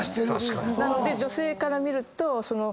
なので女性から見ると。